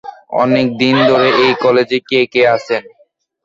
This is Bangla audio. অনেক দিন ধরে এই কলেজে কে কে আছে?